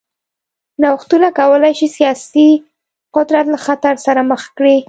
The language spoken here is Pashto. نوښتونه کولای شي سیاسي قدرت له خطر سره مخ کړي.